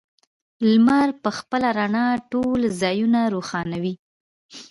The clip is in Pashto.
لمر په خپله رڼا ټول ځایونه روښانوي.